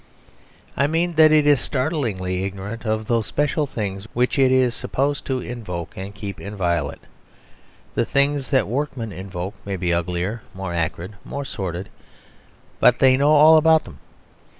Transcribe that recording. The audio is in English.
I mean that it is startlingly ignorant of those special things which it is supposed to invoke and keep inviolate. The things that workmen invoke may be uglier, more acrid, more sordid; but they know all about them.